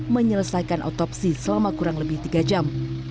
menyelesaikan otopsi selama kurang lebih tiga jam